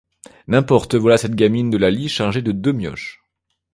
N'importe, voilà cette gamine de Lalie chargée de deux mioches.